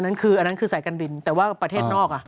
อันนั้นคือใส่กันบินแต่ว่าประเทศนอก